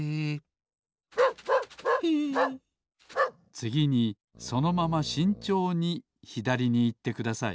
つぎにそのまましんちょうにひだりにいってください